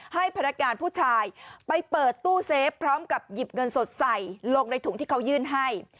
พนักงานผู้ชายไปเปิดตู้เซฟพร้อมกับหยิบเงินสดใส่ลงในถุงที่เขายื่นให้